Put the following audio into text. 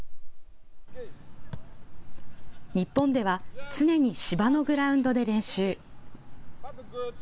日本では常に芝のグラウンドで練習。